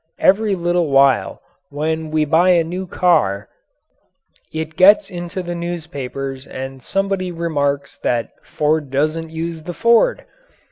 Every little while when we buy a new car it gets into the newspapers and somebody remarks that Ford doesn't use the Ford.